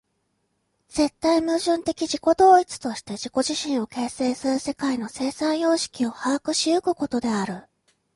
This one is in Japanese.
絶対矛盾的自己同一として自己自身を形成する世界の生産様式を把握し行くことである。